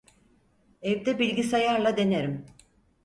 Evde bilgisayarla denerim